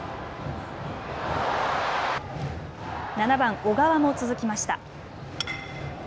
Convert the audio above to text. ７番・小川も続きました。